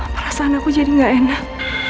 perasaan aku jadi gak enak